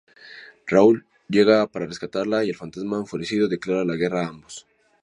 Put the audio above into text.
Raoul llega para rescatarla y el Fantasma enfurecido declara la guerra a ambos.